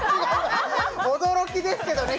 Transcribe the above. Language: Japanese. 驚きですけどね。